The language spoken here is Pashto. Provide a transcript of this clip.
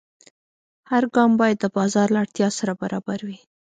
هر ګام باید د بازار له اړتیا سره برابر وي.